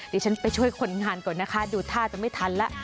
ดิฉันไปช่วยคนงานก่อนนะคะดูท่าจะไม่ทันแล้ว